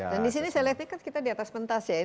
dan di sini saya lihat di atas pentas ya